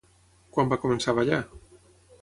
Quan va començar a ballar?